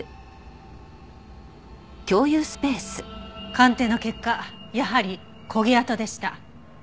鑑定の結果やはり焦げ跡でした。